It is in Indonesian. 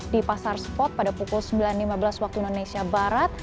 di pasar spot pada pukul sembilan lima belas waktu indonesia barat